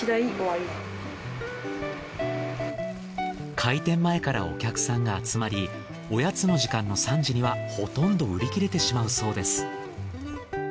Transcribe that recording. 開店前からお客さんが集まりおやつの時間の３時にはほとんど売り切れてしまうそうです。